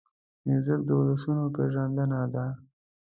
موزیک د ولسونو پېژندنه ده.